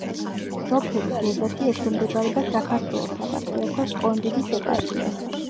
სოფელი გეზათი ექვემდებარება საქართველოს საპატრიარქოს ჭყონდიდის ეპარქიას.